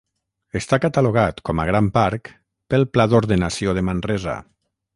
Està catalogat com a gran parc pel Pla d'Ordenació de Manresa.